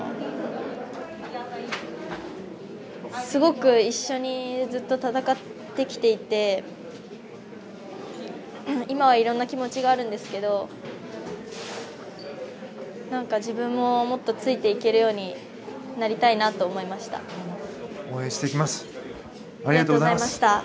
すごく一緒にずっと戦ってきていて今はいろんな気持ちがあるんですけど自分ももっとついていけるようになりたいなと思いました。